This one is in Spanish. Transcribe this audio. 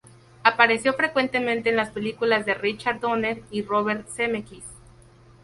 Apareció frecuentemente en las películas de Richard Donner y de Robert Zemeckis.